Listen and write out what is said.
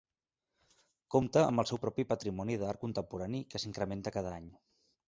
Compta amb el seu propi patrimoni d'art contemporani que s'incrementa cada any.